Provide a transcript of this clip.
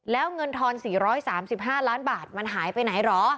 แล้วเงินทอน๔๓๕ล้านบาทมันหายไปไหนเหรอ